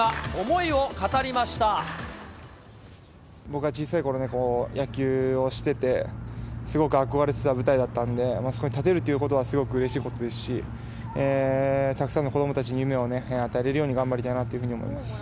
僕が小さいころに野球をしてて、すごく憧れてた舞台だったんで、そこに立てるってことはすごくうれしいことですし、たくさんの子どもたちに夢を与えれるように頑張りたいなというふうに思います。